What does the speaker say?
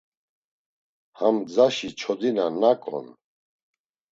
Ham gzaşi çodina nak on?